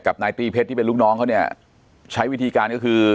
นายตีเพชรที่เป็นลูกน้องเขาเนี่ยใช้วิธีการก็คือ